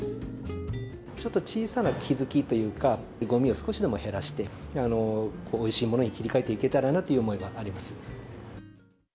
ちょっと小さな気付きというか、ごみを少しでも減らして、おいしいものに切り替えていけたらなという思いがあります。